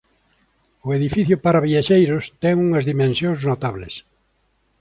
O edificio para viaxeiros ten unhas dimensións notables.